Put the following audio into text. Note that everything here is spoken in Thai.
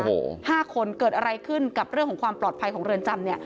โอ้โหห้าคนเกิดอะไรขึ้นกับเรื่องของความปลอดภัยของเรือนจำเนี่ย